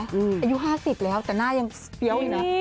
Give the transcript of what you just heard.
อายุ๕๐แล้วแต่หน้ายังเฟี้ยวอยู่นะ